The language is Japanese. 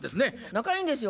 仲いいんですよ